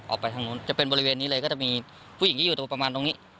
ออกไปทางนู้นจะเป็นบริเวณนี้เลยก็จะมีผู้หญิงที่อยู่ตรงประมาณตรงนี้